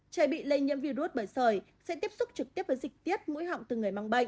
trẻ bị lây nhiễm virus bởi sởi sẽ tiếp xúc trực tiếp với dịch tiết mũi họng từ người mang bệnh